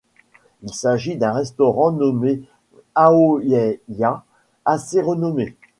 Il s'agit d'un restaurant nommé Aoiya, assez renommé.